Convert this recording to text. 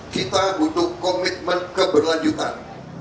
kita butuh komitmen keberlanjutan